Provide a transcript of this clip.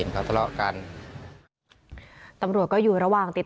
ประตู๓ครับ